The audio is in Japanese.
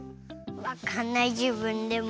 わかんないじぶんでも。